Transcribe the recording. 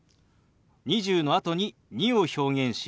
「２０」のあとに「２」を表現し「２２」。